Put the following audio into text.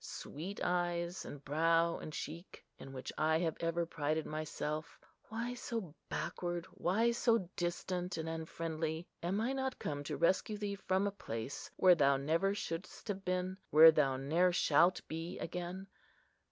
Sweet eyes, and brow, and cheek, in which I have ever prided myself! Why so backward?—why so distant and unfriendly? Am I not come to rescue thee from a place where thou never shouldst have been?—where thou ne'er shalt be again?